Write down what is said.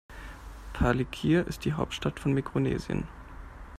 Palikir ist die Hauptstadt von Mikronesien.